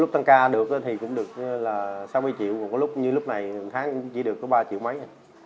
lúc tăng ca được thì cũng được là sáu mươi triệu còn có lúc như lúc này một tháng cũng chỉ được có ba triệu mấy